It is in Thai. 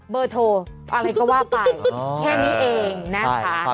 เบอร์โทรอะไรก็ว่าไปแค่นี้เองนะคะ